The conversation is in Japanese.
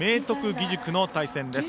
義塾の対戦です。